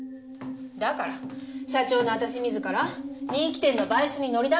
だから社長の私自ら人気店の買収に乗り出したんじゃない。